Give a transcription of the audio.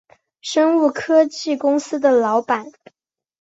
生物科技公司的老板